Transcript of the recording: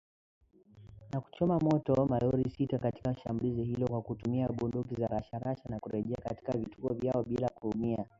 Na kuchoma moto malori sita katika shambulizi hilo kwa kutumia bunduki za rashasha na kurejea katika vituo vyao bila kuumia.